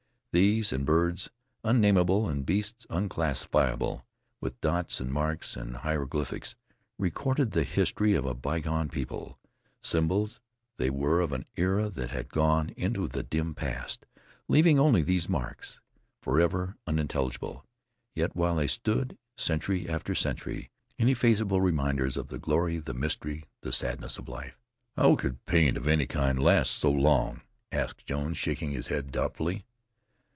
These, and birds unnamable, and beasts unclassable, with dots and marks and hieroglyphics, recorded the history of a bygone people. Symbols they were of an era that had gone into the dim past, leaving only these marks, {Symbols recording the history of a bygone people.} forever unintelligible; yet while they stood, century after century, ineffaceable, reminders of the glory, the mystery, the sadness of life. "How could paint of any kind last so long? asked Jones, shaking his head doubtfully.